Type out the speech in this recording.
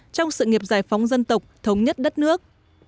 trong sự nghiệp giải phóng dân tộc thống nhất đất nước